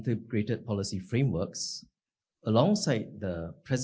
penggunaan framework kebijakan integrasi